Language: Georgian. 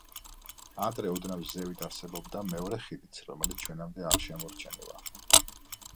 ადრე ოდნავ ზევით არსებობდა მეორე ხიდიც, რომელიც ჩვენამდე არ შემორჩენილა.